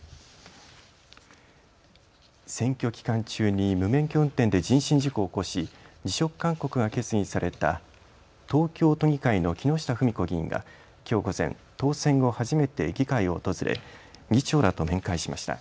選挙期間中に無免許運転で人身事故を起こし辞職勧告が決議された東京都議会の木下富美子議員がきょう午前当選後初めて議会を訪れ議長らと面会しました。